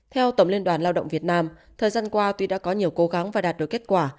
theo tổng liên đoàn lao động việt nam thời gian qua tuy đã có nhiều cố gắng và đạt được kết quả